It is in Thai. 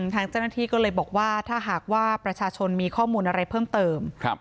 ทางเจ้าหน้าที่ก็เลยบอกว่าถ้าหากว่าประชาชนมีข้อมูลอะไรเพิ่มเติม